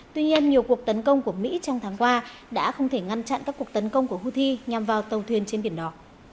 tuy nhiên nhiều cuộc tấn công của mỹ trong tháng qua đã không thể ngăn chặn các cuộc tấn công của houthi nhằm vào tàu thuyền trên biển đỏ